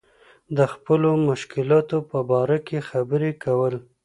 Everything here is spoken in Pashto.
د خپلو مشکلاتو په باره کې خبرې کول.